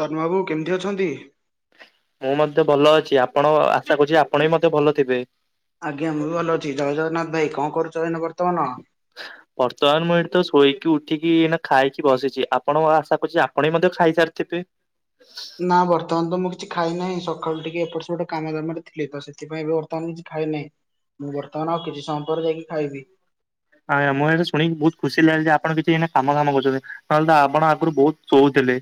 ତର୍ନ୍ମା ବାବୁ କେମିତି ଅଛନ୍ତି? ମୁଁ ମଧ୍ୟ ଭଲ ଅଛି ଆପଣ ଆଶା କରୁଛି ଆପଣ ବି ମତେ ଭଲ ଥିବେ। ଆଜ୍ଞା ମୁଁ ଭଲ ଅଛି ଜୟ ଜଗନ୍ନାଥ୍ ଭାଇ କଣ କରୁଚ ଏଇନ ବର୍ତ୍ତମାନ? ପର୍ତ୍ତମାନ ମୁଁ ଏଠୁ ଶୋଇକି ଉଠିକି ଇଇନା ଖାଇକି ବସିଛି। ଆପ୍ ପଣୁଆ ଆଶା କରୁଛି ଆପଣ ହିଁ ମଧ୍ୟ ଖାଇସାରିଥିବେ। ନାଁ ବର୍ତ୍ତମାନ୍ ତ ମୁଁ କିଛି ଖାଇ ନାହିଁ। ସଖାଳୁ ଟିକେ ଏପଟ ସେପଟ କାମ ଦାମ ରେ ଥିଲି ତ ସେଥିପାଇଁ ବର୍ତ୍ତମାନ କିଛି ଖାଇ ନାହିଁ। ମୁଁ ବର୍ତ୍ତମାନ ଆଉ କିଜି ସମୟ ପରେ ଯାଇକି ଖାଇବି। ଆଜ୍ଞା ମୁଁ ହେଇଠୁ ଶୁଣିକି ବହୁତ ଖୁସି ଲାଗିଲା ଆପଣ କିଛି ଏଇନା କାମ ଦାମ କରୁଛନ୍ତି। ନହେଲେ ତ ଆବଣ ଆଗୁରୁ ବହୁତ ଶୋଉଥିଲେ।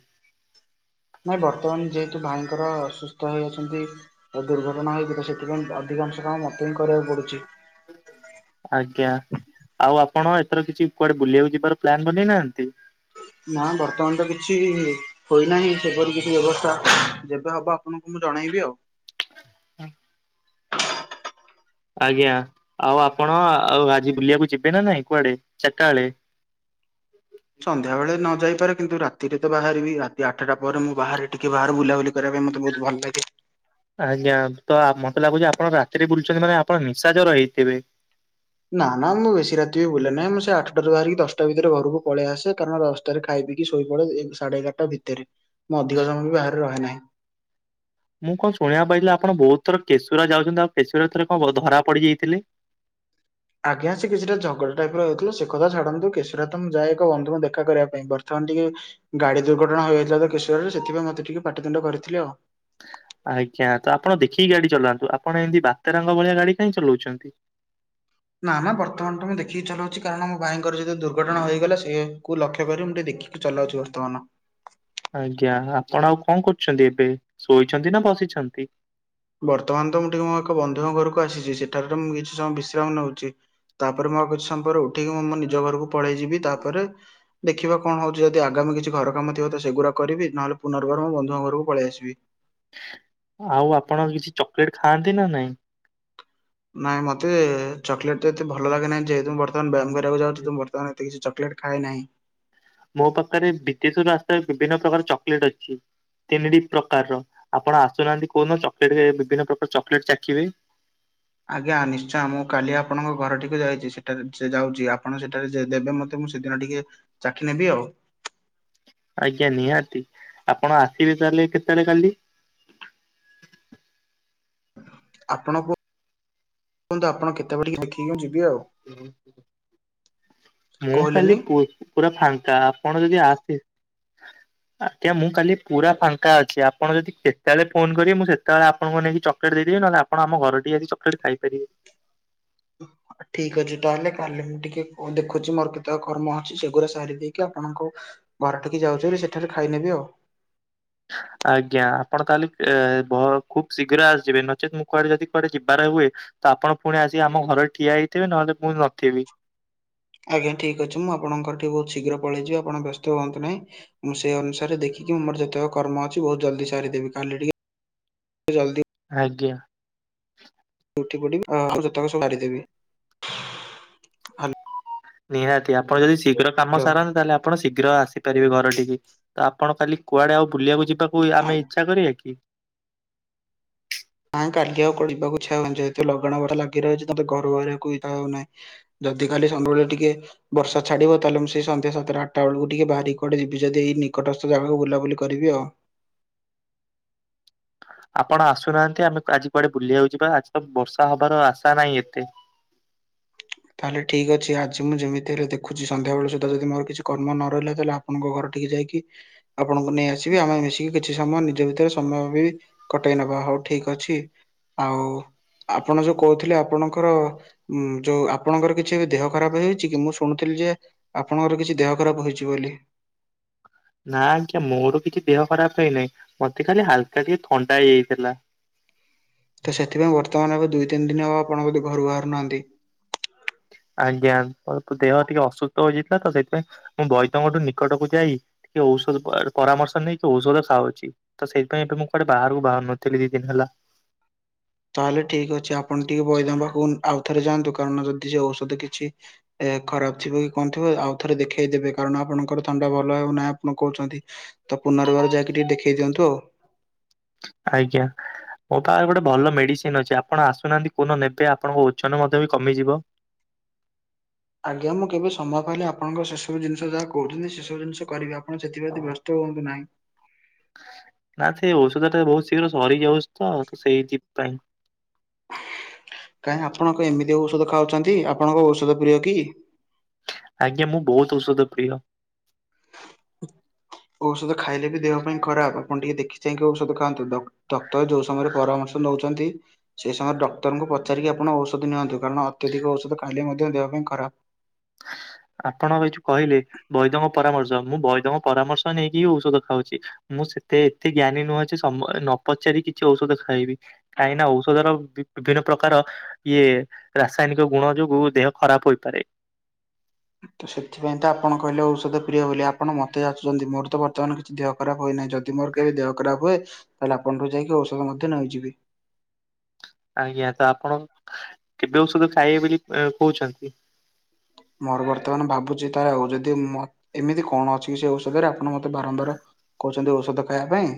ନାଇଁ ବର୍ତ୍ତମାନ୍ ଯେହେତୁ ଭାଇଙ୍କର ସୁସ୍ଥ ହେଇ ଅଛନ୍ତି। ତ ଦୁର୍ଘଟଣା ହେଇଥି ତ ସେଥିପାଇଁ ଅଧିକାଂଶ କାମ ମତେ ହିଁ କରିବାକୁ ପଡ଼ୁଛି। ଆଜ୍ଞା ଆଉ ଆପଣ ଏଥର କିଛି କୁଆଡ଼େ ବୁଲିବାକୁ ଯିବାର ପ୍ଲାନ୍ ବନେଇନାହାଁନ୍ତି? ନା ବର୍ତ୍ତମାନ ତ କିଛି ହୋଇନାହିଁ ସେପରି କିଛି ବ୍ୟବସ୍ଥା ଯେବେ ହବ ଆପଣଙ୍କୁ ମୁଁ ଜଣେଇବି ଆଉ। ହୁଁ। ଆଜ୍ଞା ଆଉ ଆପଣ ଆ ଆଉ ଆଜି ବୁଲିବାକୁ ଯିବେ ନା ନାଇଁ କୁଆଡ଼େ ଚାଟା ଅଳେ? ସନ୍ଧ୍ୟାବେଳେ ନ ଯାଇପାରେ କିନ୍ତୁ ରାତିରେ ତ ବାହାରିବି ରାତି ଆଠଟା ପରେ ମୁଁ ବାହାରେ ଟିକେ ବାହାରେ ବୁଲାବୁଲି କରିଆ ପାଇଁ ମତେ ବହୁତ୍ ଭଲ୍ ଲାଗେ। ଆଜ୍ଞା ତ ଆମ୍ ମତେ ଲାଗୁଛି ଆପଣ ରା ରାତିରେ ବୁଲୁଛନ୍ତି ମାନେ ଆପଣ ନିଶାଜର ହେଇଥିବେ। ନା ନା ମୁଁ ବେଶୀ ରାତିବି ବୁଲେନାହିଁ ମୁଁ ସେ ଆଠଟାାରୁ ବାହାରିକି ଦଶଟା ଭିତରେ ଘରକୁ ପଳେଇ ଆସେ କାରଣ ରସ୍ ତରେ ଖାଇ ପିଇକି ଶୋଇପଡ଼େ ଏଗ୍ ସାଢ଼େ ଏଗାରଟା ଭିତେରେ ମୁଁ ଅଧିକ ସମୟ ବି ବାହାରେ ରହେ ନାହିଁ। ମୁଁ କଣ ଶୁଣିବାକୁ ପାଇଥିଲି ଆପଣ ବହୁତ୍ ଥର କେଶୁରା ଯାଉଛନ୍ତି ଆଉ କେଶୁରାରେ ଥରେ କଣ ବ ଧରା ପଡିଯାଇଥିଲେ। ଆଜ୍ଞା ସେ କିଛିଟା ଝଗଡ଼ ଟାଇପିର ହେଉଥିଲୁ ସେ କଥା ଛାଡ଼ନ୍ତୁ କେଶୁରା ତ ମୁଁ ଯାଏ ଏକ ବନ୍ଧୁଙ୍କୁ ଦେଖା କରିବା ପାଇଁ ବର୍ଥମାନ୍ ଟିକେ ଗାଡ଼ି ଦୁର୍ଘଟଣା ହୋଇଯାଇଥିଲା ତ କେଶୁରାରେ ସେଥିପାଇଁ ମତେ ଟିକେ ପାଟିତୁଣ୍ଡ କରିଥିଲେ ଆଉ। ଆଜ୍ଞା ତ ଆପଣ ଦେଖିକି ଗାଡ଼ି ଚଲାନ୍ତୁ ଆପଣ ଏମିତି ବାତେରାଙ୍କ ଭଳିଆ ଗାଡ଼ି କାଇଁ ଚଲୋଉଛନ୍ତି। ନା ନା ବର୍ତ୍ତମାନ୍ ତ ମୁଁ ଦେଖିକି ଚଲୋଉଛି କାରଣ ମୋ ଭାଇଙ୍କର ଯେତେଏଳେ ଦୁର୍ଘଟଣା ହେଇଗଲା ସେଏ କୁ ଲକ୍ଷ୍ୟ କରି ମୁଁ ଟିକେ ଦେଖି ଚଲାଉଛି ବର୍ତ୍ତମାନ। ଆଜ୍ଞା ଆପଣ ଆଉ କଣ୍ କରୁଛନ୍ତି ଏବେ ଶୋଇଛନ୍ତି ନା ବସିଛନ୍ତି? ବର୍ତ୍ତମାନ୍ ତ ମୁଁ ଟିକେ ମୋ ଏକ ବନ୍ଧୁଙ୍କ ଘରକୁ ଆସିଛି ସେଠାରେ ତ ମୁଁ କିଛି ସମୟ ବିଶ୍ରାମ୍ ନଉଚି। ତାପରେ ମୁ ଆଉ କିଛି ସମ୍ ପରେ ଉଠିକି ମୁଁ ମୋ ନିଜ ଘରୁକୁ ପଳେଇଯିବି ତାପରେ ଦେଖିବା କଣ ହୋଉଚି ଯଦ ଆଗାମୀ କିଛି ଘରକାମ ଥିବ ତ ସେଗୁଡ଼ା କରିବି। ନହେଲେ ପୁନର୍ବାର ମୋ ବନ୍ଧୁଙ୍କ ଘରକୁ ପଳେଇ ଆସିବି। ଆଉ ଆପଣ କିଛି ଚକ୍ଲେଟ୍ ଖାଆନ୍ତି ନା ନାଇଁ? ନାଇଁ ମତେ ଚକ୍ଲେଟ୍ ତେ ଏତେ ଭଲ ଲାଗେ ନାହିଁ ଯେହେତୁ ବର୍ତ୍ତମାନ ବ୍ଯାୟାମ କରିବାକୁଯାଉଛି ତ ମ ତ ହାଁଥି କିଛି ଚକ୍ଲେଟ୍ ଖାଏ ନାହିଁ। ମୋ ପାଖରେ ବିଦେଶରୁ ଆସ୍ତାଏ ବିଭିନ୍ନ ପ୍ରକାର ଚକ୍ଲେଟ୍ ଅଛି। ତିନିଡ଼ି ପ୍ରର୍କାର ଆପଣ ଆସୁନାହାନ୍ତି କଉନ ଚକ୍ଲେଟ୍ ହେ ବିଭିନ୍ନ ପ୍ରକାର ଚକ୍ଲେଟ୍ ଚାଖିବେ। ଆଜ୍ଞା ନିଶ୍ଚୟ ମୁଁ କାଲି ଆପଣଙ୍କ ଘରଟିକୁ ଯାଇଚୀ ସେଠାରେ ସେ ଯାଉଚୀ ଆପଣ ସେଠାରେ ଯେ ଦେବେ ମତେ। ମୁଁ ସେଦିନ ଟିକେ ଚାଖି ନେବି ଆଉ। ଆଜ୍ଞା ନିହାତି ଆପଣ ଆସିବେ ତାହେଲେ କେତେବେଳେ କାଲି? ଆପଣଙ୍କୁ ନ୍ତୁ ଆପଣ କେତେବେଳେ ଦେଖିକି ମୁଁ ଯିବି ଆଉ [inaudible] ମୁଁ କାଲି କହିଲେନି। ପୁ ପୁରା ଫାଙ୍କା ଆପଣ ଯଦି ଆସି। [inaudible] ଆଜ୍ଞା ମୁଁ କାଲି ପୁରା ଫାଙ୍କା ଅଛି ଆପଣ ଯଦି କେତେବେଳେ ଫୋନ୍ କରିବେ ମୁଁ ସେତେବେଳେ ଆପଣଙ୍କୁ ନେଇକି ଚକ୍ଲେଟ୍ ଦେଇଦେବି ନହେଲେ ଆ। ପଣ ଆମ ଘରଟି ଆଜି ଚକ୍ଲେଟ୍ ଖାଇପାରିବେ। [inaudible] ଠିକ୍ ଅଛି ତାହେଲେ କାଲି ମୁଁ ଟିକେ ଦେଖୁଚି ମୋର କେତେବେଳେ କର୍ମ ଅଛି ସେଗୁଡା ସାରି ଦେଇକି ଆପଣଙ୍କୁ। ଘର ଠିକି ଯାଉଛି ବୋଲି ସେଠାରେ ଖାଇନେବି ଆଉ। ଆଜ୍ଞା ଆପଣ କାଲି ଏ ଭ ଖୁବ୍ ଶୀଘ୍ର ଆସିଯିବେ ନଚେତ୍ ମୁଁ କୁଆଡେ ଯଦି କୁଆଡେ ଯିବାର ହୁଏ। ତ ଆପଣ ଫୁଣି ଆସିକି ଆମ ଘର ଠିଆ ହେଇଥିବେ ନହଲେ ମୁଁ ନଥିବି। ଆଜ୍ଞା ଠିକ୍ ଅଛି ମୁଁ ଆପଣଙ୍କ ଠି ବହୁତ୍ ଶୀଘ୍ର ପଳେଇଯିବି ଆପଣ ବ୍ୟସ୍ତ ହୁଅନ୍ତୁ ନାହିଁ। ମୁଁ ସେ ଅନୁସାରେ ଦେଖିକି ମୋର ଯେତେବେଳେ କର୍ମ ଅଛି ବହୁତ୍ ଜଲ୍ଦି ସାରିଦେବି କାଲି ଟିକେ ଜଲ୍ଦି। ଆଜ୍ଞା। ଉଠି ପଡିବି ହଁ ଆଉ ଯେତକ ସବୁ ସାରିଦେବି। ହାଲୋ। ନିହାତି ଆପଣ ଯଦି ଶୀଘ୍ର କାମ ସାରାନ୍ତି ତାହେଲେ ଆ। ଆପଣ ଶୀଘ୍ର ଆସିପାରିବେ ଘର ଟିକି ତ ଆପଣ କାଲି କୁଆଡେ ଆଉ ବୁଲିବାକୁ ଯିବା। ଆମେ ଇଚ୍ଛା କରିବା କି? ନାଁ କାଲି ଆଉ କୁଆଡ଼େ ଯିବାକୁ ଇଚ୍ଛା ହଉନି ଯେହେତୁ ଲଗାଣ ବର୍ଷା ଲାଗି ରହିଛି ତତେ ଘରୁ ବାହାରିବାକୁ ଇଚ୍ଛା ହଉନାହିଁ। ଯଦି କାଲି ଟିକେ। ବର୍ଷା ଛାଡ଼ିବ ତାହେଲେ ମୁଁ ସେ ସନ୍ଧ୍ୟା ସାତଟା ଆଠଟା ବେଳକୁ ଟିକେ ବାହାରିକି କୁଆଡେ ଯିବି ଯଦି ଏଇ ନିକଟସ୍ଥ ଜାଗାକୁ ବୁଲାବୁଲି କରିବି ଆଉ। ଆପଣ ଆସୁନାହାନ୍ତି ଆମେ ଆଜି କୁଆଡେ ବୁଲିିବାକୁ ଯିବା ଆଜି ତ ବର୍ଷା ହବାର ଆଶା ନାହିଁ ଏତେ। ତାହେଲେ ଠିକ୍ ଅଛି ଆଜି ମୁଁ ଯେମିତି ହେଲେ ଦେଖୁଛି ସଂଧ୍ୟା ବେଳେ ସୁଧା ଯଦି ମୋର କିଛି କର୍ମ ନ ରହିଲା ତାହେଲେ। ଆପଣଙ୍କ ଘର ଟିକେ ଯାଇକି ଆପଣଙ୍କୁ ନେଇ ଆସିବି ଆମେ ମିଶିକି କିଛି ସମୟ ନିଜ ଭିତରେ ସମୟ ବି। କଟେଇ ନବା ହୋଉ ଠିକ୍ ଅଛି। ଆଉ ଆପଣ ଯୋଉ କୋହୁଥିଲେ ଆପଣଙ୍କର ଉଁ ଯୋଉ ଆ। ଆପଣଙ୍କର କିଛି ଦେହ ଖରାପ ହେଇଛି କି ମୁଁ ଶୁଣୁଥିଲି ଯେ ଆପଣଙ୍କର କିଛି ଦେହ ଖରାପ ହୋଇଚି ବୋଲି। ନା ଆଜ୍ଞା ମୋର କିଛି ଦେହ ଖରାପ ହେଇନାହିଁ ମତେ ଖାଲି ହାଲ୍କା ଟିକେ ଥଣ୍ଡା ହେଇଯାଇଥିଲା। ତ ସେଥିପାଇଁ ବର୍ତ୍ତମାନ ଏବେ ଦୁଇ ତିନି ଦିନ ହେବ ଆପଣ ବୋଧେ ଘରୁ ବାହାରୁନାହାନ୍ତି? ଆଜ୍ଞା ମୋର ତ ଦେହ ଟିକେ ଅସୁସ୍ଥ ହୋଇଛି ତ ସେଥିପାଇଁ ମୁଁ ବୈଦଙ୍କଠୁ ନିକଟକୁ ଯାଇ। ଟିକେ ଔଷଧ ପରାମର୍ଶ ନେଇ କି ଔଷଧ ଖାଉଚି। ତ ସେଇଥିପାଇଁ ଏବେ ମୁଁ କୁଆଡେ ବାହାରକୁ ବାହାରୁନଥିଲି ଦି ଦିନ ହେଲା। ତାହେଲେ ଠିକ୍‌ଅଛି ଆପଣ ଟିକେ ବଇଦ ପାଖକୁ ଆଉଥରେ ଯାଆନ୍ତୁ କାରଣ ଯଦି ସେ ଔଷଧ କିଛି। ଏ ଖରାପ ଥିବ କି କଣ ଥିବ ଆଉ ଥରେ ଦେଖେଇ ଦେବେ କାରଣ ଆପଣଙ୍କର ଥଣ୍ଡା ଭଲ ହେଉ ନାହିଁ ଆପଣ କହୁଛନ୍ତି। ତ ପୁନର୍ବାର ଯାଇକି ଟିକେ ଦେଖେଇ ଦିଅନ୍ତୁ ଆଉ। ଆଜ୍ଞା। ମୋ ପାଖରେ ଗୋଟେ ଭଲ ମେଡିସିନ୍ ଅଛି ଆପଣ ଆସୁନାହାନ୍ତି କୋଉଦିନ ନେବେ ଆପଣଙ୍କ ଓଜନ ମଧ୍ୟ ବି କମିଯିବ। ଆଜ୍ଞା ମୁଁ କେବେ ସମୟ ପାଇଲେ ଆପଣଙ୍କ ସେସବୁ ଜିନିଷ ଯାହା କହୁଛନ୍ତି ସେସବୁ ଜିନିଷ କରିବି ଆ। ଆପଣ ସେଥିପ୍ରତି ବ୍ୟସ୍ତ ହଅନ୍ତୁ ନାହିଁ। ନା ସେଇ ଔଷଧ ଟା ବୋହୁତ ଶୀଘ୍ର ସରିଯାଉଛି ତ ସେଇଥି ପାଇଁ। କାହିଁ ଆପଣ କଣ ଏମିତି ଔଷଧ ଖାଉଛନ୍ତି ଆପଣଙ୍କ ଔଷଧ ପ୍ରିୟ କି? ଆଜ୍ଞା ମୁଁ ବୋହୁତ୍ ଔଷଧ ପ୍ରିୟ। ଔଷଧ ଖାଇଲେ ବି ଦେହ ପାଇଁ ଖରାପ। ଆପଣ ଟିକେ ଦେଖି ଚାହିଁକି ଔଷଧ ଖାଆନ୍ତୁ। ଡକ୍ଟର ଯୋଉ ସମୟରେ ପରାମର୍ଶ ନୋଉଛନ୍ତି। ସେଇ ସମୟରେ ଡକ୍ଟରଙ୍କୁ ପଚାରିକି ଆପଣ ଔଷଧ ନିଅନ୍ତୁ, କାରଣ ଅତ୍ୟଧିକ ଔଷଧ ଖାଇଲେ ମଧ୍ୟ ଦେହ ପାଇଁ ଖରାପ। ଆପଣ ଏଠୁ କହିଲେ ବୈଦଙ୍କ ପରାମର୍ଶ ମୁଁ ବୈଦଙ୍କ ପରାମର୍ଶ ନେଇକି ହି ଔଷଧ ଖାଉଛି। ମୁଁ ସେତେ ଏତେ ଜ୍ଞାନୀ ନୁହଁ ଯେ ସ ନ ପଚାରି କିଛି ଔଷଧ ଖାଇବି। କାହିଁକିନା ଔଷଧର ବିଭିନ୍ନ ପ୍ରକାର ଇଏ ରାସାୟନିକ ଗୁଣ ଯୋଗୁ ଦେହ ଖରାପ ହୋଇପାରେ। ତ ସେଥିପାଇଁ ତ ଆପଣ କହିଲେ ଔଷଧ ପ୍ରିୟ ବୋଲି ଆପଣ ମତେ ଜଚୁଛନ୍ତି, ମୋର ତ ବର୍ତ୍ତମାନ କିଛି ଦେହ ଖରାପ ହୋଇନାହିଁ। ଯଦି ଯଦି ମୋର କେବେ ଦେହ ଖରାପ ହୁଏ, ତାହେଲେ ଆପଣଙ୍କଠୁ ଯାଇକି ଔଷଧ ମଧ୍ୟ ନେଇଯିବି। ଆଜ୍ଞା ତ ଆପଣ କେବେ ଔଷଧ ଖାଇବେ ବୋଲି କଉଛନ୍ତି? ମୋର ବର୍ତ୍ତମାନ ଭାବୁଛି ତାହେଲେ ଆଉ ଯଦି ମ ଏମିତି କଣ ଅଛି କି ସେ ଔଷଧରେ ଆପଣ ମତେ ବାରମ୍ବାର କହୁଛନ୍ତି ଔଷଧ ଖାଇବା ପାଇଁ।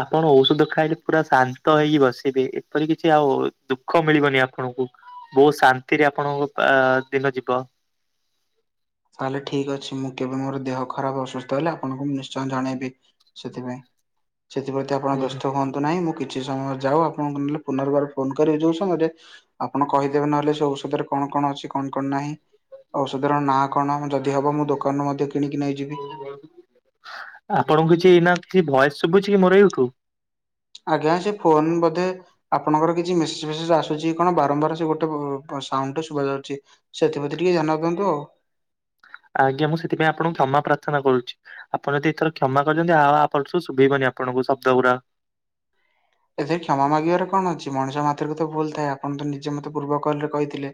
ଆପଣ ଔଷଧ ଖାଇଲେ ପୁରା ଶାନ୍ତ ହେଇକି ବସିବେ ଏପରି କିଛି ଆଉ ଦୁଃଖ ମିଳିବନି ଆପଣଙ୍କୁ ବୋହୁତ ଶାନ୍ତିରେ ଆପଣଙ୍କ ଆ ଦିନ ଯିବ। ତାହେଲେ ଠିକ୍ ଅଛି ମୁଁ କେବେ ମୋର ଦେହ ଖରାପ ଅସୁସ୍ଥ ହେଲେ ଆପଣଙ୍କୁ ମୁଁ ନିଶ୍ଚୟ ଜଣେଇବି। ସେଥିପାଇଁ ସେଥିପ୍ରତି ଆପଣ ଆଜ୍ଞା। ବ୍ୟସ୍ତ ହୁଅନ୍ତୁ ନାହିଁ ମୁଁ କିଛି କିଛି ସମୟ ଯାଉ ଆପଣଙ୍କୁ ନଲେ ପୁନର୍ବାର ଫୋନ କରିବେ ଯୋଉ ସମୟରେ ଆପଣ କହିଦେବେ ନଲେ ସେ ଔଷଧରେ କଣ କଣ ଅଛି କଣ କଣ ନାହିଁ? ଔଷଧର ନାଁ କଣ ଯଦି ହବ ମୁଁ ଦୋକାନରୁ ମଧ୍ୟ କିଣିକି ନେଇଯିବି। ଆପଣଙ୍କୁ କିଛି ନା କିଛି ଭୟସ ଶୁଭୁଛି କି ମୋର ଏଇଠୁ? ଆଜ୍ଞା ସେ ଫୋନ ବୋଧେ ଆପଣଙ୍କର କିଛି ମେସେଜ ଫେସେଜ ଆସୁଛି କଣ ବାରମ୍ବାର ସେ ଗୋଟେ ଉ ସାଉଣ୍ଡଟେ ଶୁବା ଯାଉଛି। ସେଥିପ୍ରତି ଟିକେ ଧ୍ୟାନ ରଖନ୍ତୁ ଆଉ। ଆଜ୍ଞା ମୁଁ ସେଥିପାଇଁ ଆପଣଙ୍କୁ କ୍ଷମା ପ୍ରାର୍ଥନା କରୁଛି। ଆପଣ ଯଦି ଏଥର କ୍ଷମା କରିଦିଅନ୍ତି ଆଉ ଆରପାଳିଠୁ ଶୁଭେଇବନି ଆପଣଙ୍କୁ ଶବ୍ଦ ଗୁୁରା। ଏଥିରେ କ୍ଷମା ମାଗିବାର କଣ ଅଛି? ମଣିଷ ମାତ୍ରେ କେ ତ ଭୁଲ ଥାଏ, ଆପଣ ତ ନିଜେ ମତେ ପୂର୍ବ କଲରେ କହିଥିଲେ।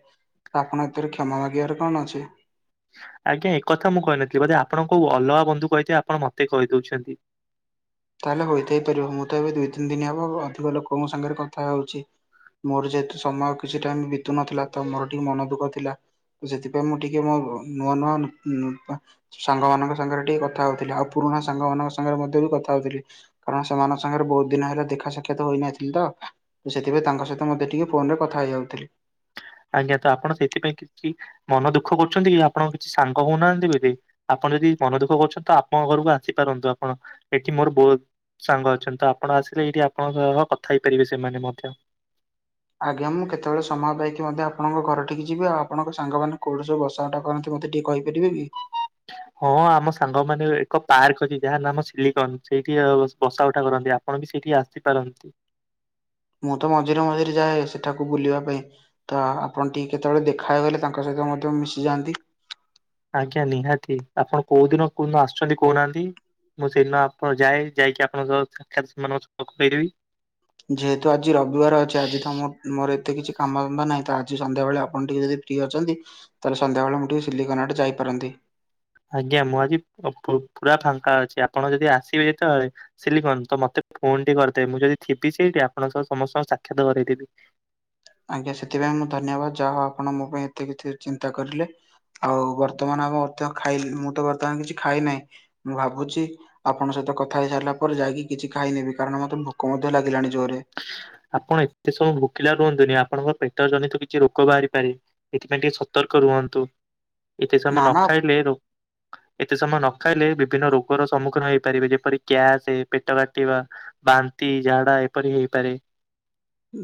ତ ଆପଣ ଏଥିରେ କ୍ଷମା ମାଗିବାରେ କଣ ଅଛି? ଆଜ୍ଞା ଏକଥା ମୁଁ କହିନଥିଲି ବୋଧେ ଆପଣ କୋଉ ଅଲଗା ବନ୍ଧୁ କହିଥିବେ ଆପଣ ମତେ କହିଦଉଛନ୍ତି। ତାଲେ ହୋଇଥାଇ ପାରିବ, ମୁଁ ତ ଏବେ ଦିଇ ତିନି ଦିନି ହବ ଅଧିକ ଲୋକଙ୍କ ସାଙ୍ଗରେ କଥା ହଉଛି। ମୋର ଯେହେତୁ ସମୟ କିଛି ଟାଇମ ବିତୁ ନଥିଲା ତ ମୋର ଟିକେ ମନ ଦୁଃଖ ଥିଲା। ସେଥିପାଇଁ ମୁଁ ଟିକେ ମୋ ନୂଆ ନୂଆ ଉଁ ସାଙ୍ଗମାନଙ୍କ ସାଙ୍ଗରେ ଟିକେ କଥା ହଉଥିଲି। ଆଉ ପୁରୁଣା ସାଙ୍ଗ ମାନଙ୍କ ସାଙ୍ଗରେ ମଧ୍ୟ ବି କଥା ହଉଥିଲି, କାରଣ ସେମାନଙ୍କ ସାଙ୍ଗରେ ବୋହୁତ ଦିନ ହେଲା ଦେଖା ସାକ୍ଷାତ ହୋଇନଥିଲି ତ। ତ ସେଥିପାଇଁ ତାଙ୍କ ସହିତ ମତେ ଟିକେ ଫୋନ ରେ କଥା ହେଇଯାଉଥିଲି। ଆଜ୍ଞା ତ ଆପଣ ସେଥିପାଇଁ କିଛି ମନ ଦୁଃଖ କରୁଛନ୍ତି କି ଆପଣଙ୍କ କିଛି ସାଙ୍ଗ ହଉନାହାନ୍ତି ବୋଲି? ଆପଣ ଯଦି ମନ ଦୁଃଖ କରୁଛନ୍ତି ତ ଆପଣଙ୍କ ଘରକୁ ଆସିପାରନ୍ତୁ ଆପଣ ଏଠି ମୋର ବୋହୁତ ସାଙ୍ଗ ଅଛନ୍ତି ତ ଆପଣ ଆସିଲେ ଏଇଠି ଆପଣଙ୍କ ସହ କଥା ହେଇପାରିବେ ସେମାନେ ମଧ୍ୟ। ଆଜ୍ଞା ମୁଁ କେତେବେଳେ ସମୟ ପାଇକି ମଧ୍ୟ ଆପଣଙ୍କ ଘରଠିକି ଯିବି ଆଉ ଆପଣଙ୍କ ସାଙ୍ଗମାନେ କୋଉଡି ସବୁ ବସା ଉଠା କରନ୍ତି ମତେ ଟିକେ କହିପାରିବେ କି? ହଁ ଆମ ସାଙ୍ଗ ମାନେ ଏକ ପାର୍କ ଅଛି ଯାହା ନାମ ସିଲିକନ ସେଇଠି ବସା ଉଠା କରନ୍ତି।। ଆପଣ ବି ସେଇଠି ଆସିପାରନ୍ତି। ମୁଁ ତ ମଝିରେ ମଝିରେ ଯାଏ ସେଠାକୁ ବୁଲିବା ପାଇଁ। ତ ଆପଣ ଟିକି କେତେବେଳେ ଦେଖାହେଇଗଲେ ତାଙ୍କ ସହିତ ମଧ୍ୟ ମିଶିଯାଆନ୍ତି। ଆଜ୍ଞା ନିହାତି ଆପଣ କୋଉ ଦିନ କୋଉ ଦିନ ଆସୁଛନ୍ତି କହୁନାହାନ୍ତି? ମୁଁ ସେଇଦିନ ଆପଣ ଯାଏ ଯାଇକି ଆପଣଙ୍କ ସାତ ସେମାନଙ୍କବି ଫେରିବି। ଯେହେତୁ ଆଜି ରବିବାର ଅଛି ଆଜି ତମ ମୋର ଏତେ କିଛି କାମଧନ୍ଦା ନାହିଁ ତ ଆଜି ସନ୍ଧ୍ୟାବେଳେ ଆପଣ ଟିକେ ଯଦି ଫ୍ରି ଅଛନ୍ତି। ତାହେଲେ ସନ୍ଧ୍ୟାବେଳେ ମୁଁ ଟିକେ ସିଲିକନ୍ ଆଡ଼େ ଯାଇପାରନ୍ତି। ଆଜ୍ଞା ମୁଁ ଆଜି ପୁ ପୁରା ଫାଙ୍କା ଅଛି ଆପଣ ଯଦି ଆସିବେ କେତେବେଳେ ସିଲିକନ୍ ତ ମତେ ଫୋନ୍ ଟି କରିଦେବେ ମୁଁ ଯଦି ଥିବି ସେଇଠି ଆପଣଙ୍କ ସହ ସମସ୍ତଙ୍କ ସାକ୍ଷାତ କରେଇଦେବି। ଆଜ୍ଞା ସେଥିପାଇଁ ମୁଁ ଧନ୍ୟବାଦ ଯାହା ହଉ ଆପଣ ମୋ ପାଇଁ ଏତେ କିଛି ଚିନ୍ତା କରିଲେ। ଆଉ ବର୍ତ୍ତମାନ ଆମ ମଧ୍ୟ ଖାଇ ମୁଁ ତ ବର୍ତ୍ତମାନ କିଛି ଖାଇ ନାହିଁ ମୁଁ ଭାବୁଛି ଆପଣଙ୍କ ସହିତ କଥା ହେଇ ସାରିଲା ପରେ ଯାଇକି କିଛି ଖାଇନେବି କାରଣ ମତେ ଭୋକ ମଧ୍ୟ ଲାଗିଲାଣି ଜୋରେ। ଆପଣ ଏତେ ସମୟ ଭୋକିଲା ରୁହନ୍ତୁନି‌ ଆପଣଙ୍କ ପେଟ ଜନିତ କିଛି ରୋଗ ବାହାରିପାରେ। ଏଥିପାଇଁ ଟିକେ ସତର୍କ ରୁହନ୍ତୁ‌ ଏତେ ସମୟ ନା ନ ନା ଖାଇଲେ ରୋ ଏତେ ସମୟ ନ ଖାଇଲେ ବିଭିନ୍ନ ରୋଗର ସମ୍ମୁଖୀନ ହେଇପାରିବେ ଯେପରି ଗ୍ୟାସ, ପେଟ କାଟିବା। ବାନ୍ତି, ଝାଡ଼ା ଏପରି ହେଇପାରେ।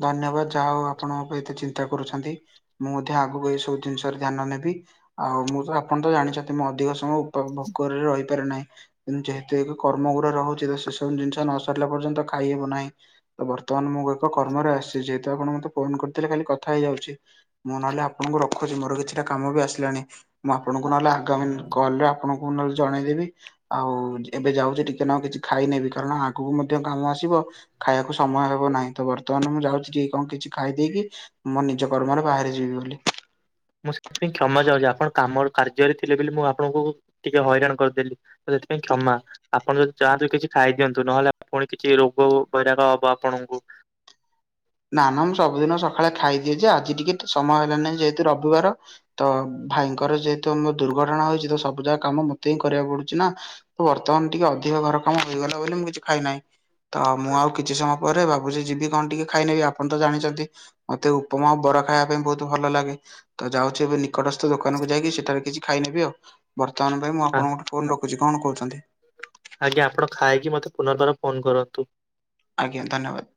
ଧନ୍ୟବାଦ ଯାହା ହଉ ଆପଣ ମୋ ପାଇଁ ଏତେ ଚିନ୍ତା କରୁଛନ୍ତି। ମୁଁ ମଧ୍ୟ ଆଗକୁ ଏଇ ସବୁ ଜିନିଷରେ ଧ୍ୟାନ ନେବି‌ ଆଉ ମୁଁ ତ ଆପଣ ତ ଜାଣିଛନ୍ତି ମୁଁ ଅଧିକ ସମୟ ଭୋ ଭୋକରେ ରହି ନାହିଁ ଯେହେତୁ ଏବେ କର୍ମ ଗୁରେ ରହୁଛି ତ ସେସବୁ ଜିନିଷ ନ ସାରିଲା ପର୍ଯ୍ୟନ୍ତ ଖାଇହବ ନାହିଁ। ତ ବର୍ତ୍ତମାନ ମୁଁ ଏକ କର୍ମରେ ଆସିଛି ଯେହେତୁ ଆପଣ ମତେ ଫୋନ କରିଥିଲେ ଖାଲି କଥା ହେଇଯାଉଛି। ମୁଁ ନହେଲେ ଆପଣଙ୍କୁ ରଖୁଛି ମୋର କିଛିଟା କାମ ବି ଆସିଲାଣି ମୁଁ ଆପଣଙ୍କୁ ନହେଲେ ଆଗାମୀ କଲ୍ ରେ ଆପଣଙ୍କୁ ମୁଁ ନହେଲେ ଜଣେଇଦେବି। ଆଉ ଏବେ ଯାଉଛି ଟିକେ ନାଗୁ କିଛି ଖାଇନେବି କାରଣ ଆଗକୁ ମଧ୍ୟ କାମ ଆସିବ। ଖାଇବାକୁ ସମୟ ହେବ ନାହିଁ। ତ ବର୍ତ୍ତମାନ ମୁଁ ଯାଉଛି ଟିକେ କଣ କିଛି ଖାଇଦେଇକି ମୋ ନିଜ କର୍ମରେ ବାହାରି ଯିବି ବୋଲି। ମୁଁ ସେଥିପାଇଁ କ୍ଷମା ଚାହୁଁଛି ଆପଣ କାମ କାର୍ଯ୍ୟରେ ଥିଲେ ବୋଲି ମୁଁ ଆପଣଙ୍କୁ ଟିକେ ହଇରାଣ କରିଦେଲି। ସେଥିପାଇଁ କ୍ଷମା ଆପଣ ଯଦି ଯାଆନ୍ତୁ କିଛି ଖାଇଦିଅନ୍ତୁ ନହେଲେ ପୁଣି କିଛି ରୋଗ ବୈରାଗ ହବ ଆପଣଙ୍କୁ। ନାଁ ନାଁ ମୁଁ ସବୁଦିନ ସକାଳେ ଖାଇଦିଏ ଯେ ଆଜି ଟିକେ ସମୟ ହେଲାନାହିଁ ଯେହେତୁ ରବିବାର। ତ ଭାଇଙ୍କର ଯେହେତୁ ମୋ ଦୁର୍ଘଟଣା ହେଇଛି ତ ସବୁ ଯାକ କାମ ମତେ କରିବାକୁ ପଡୁଛି ନା ତ ବର୍ତ୍ତମାନ ଟିକେ ଅଧିକ ଘର କାମ ହୋଇଗଲା ବୋଲି ମୁଁ କିଛି ଖାଇନାହିଁ। ତ ମୁଁ ଆଉ କିଛି ସମୟ ପରେ ଭାବୁଛି ଯିବି କଣ ଟିକେ ଖାଇନେବି ଆପଣ ତ ଜାଣିଛନ୍ତି। ମତେ ଉପମା ଓ ବରା ଖାଇବା ପାଇଁ ବହୁତ୍ ଭଲ ଲାଗେ। ତ ଯାଉଛି ଏବେ ନିକଟସ୍ଥ ଦୋକାନକୁ ଯାଇକି ସେଠାରେ କିଛି ଖାଇନେବି ଆଉ। ବର୍ତ୍ତମାନ ପାଇଁ ମୁଁ ଆପଣଙ୍କଠୁ ଫୋନ ରଖୁଛି କଣ କହୁଛନ୍ତି। ଆଜ୍ଞା ଆପଣ ଖାଇକି ମତେ ପୁନର୍ବାର ଫୋନ କରନ୍ତୁ। ଆଜ୍ଞା ଧନ୍ୟବାଦ୍।